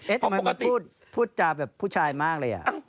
เอ๊ะทำไมพูดจาแบบผู้ชายมากเลย